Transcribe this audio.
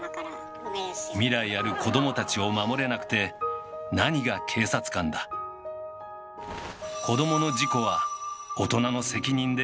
未来ある子どもたちを守れなくて何が警察官だあっあれ？